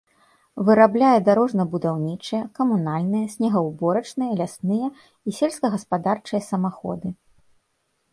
Вырабляе дарожна-будаўнічыя, камунальныя, снегаўборачныя, лясныя і сельскагаспадарчыя самаходы.